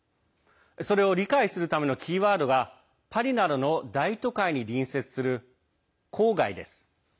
それを理解するためのキーワードがパリなどの大都会に隣接する郊外です。